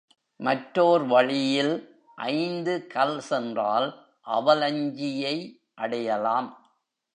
மற்றோர் வழியில் ஐந்து கல் சென்றால் அவலஞ்சியை அடையலாம்.